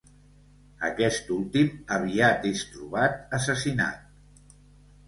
Aquest últim aviat és trobat assassinat.